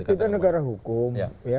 kita negara hukum